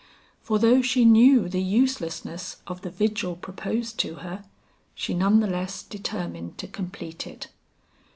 For though she knew the uselessness of the vigil proposed to her, she none the less determined to complete it.